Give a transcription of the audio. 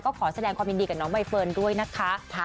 ขอแสดงความยินดีกับน้องใบเฟิร์นด้วยนะคะ